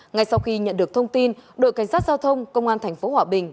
ngay sau khi nhận được thông tin đội cảnh sát giao thông công an thành phố hòa bình